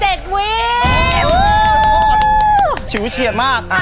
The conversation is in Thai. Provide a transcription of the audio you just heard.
ขอบคุณมากค่ะ